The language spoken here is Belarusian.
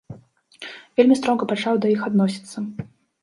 Вельмі строга пачаў да іх адносіцца.